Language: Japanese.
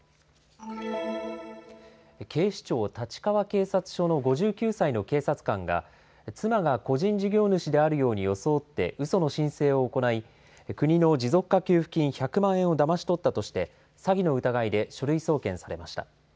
警視庁立川警察署の５９歳の警察官が妻が個人事業主であるように装ってうその申請を行い国の持続化給付金１００万円をだまし取ったとして詐欺の疑いで書類送検されました。